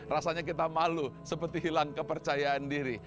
rasanya kita malu seperti hilang kepercayaan diri